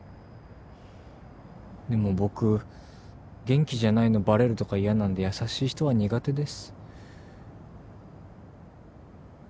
でも僕元気じゃないのバレるとか嫌なんで優しい人は苦手です。